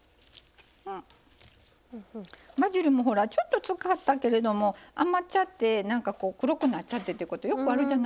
バジルもちょっと使ったけれども余っちゃって黒くなっちゃってってことよくあるじゃないですか。